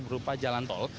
berupa jalan tol